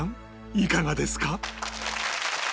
いかがですか？